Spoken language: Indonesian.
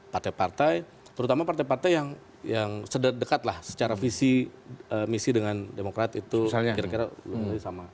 partai partai terutama partai partai yang dekat lah secara visi misi dengan demokrat itu kira kira lebih sama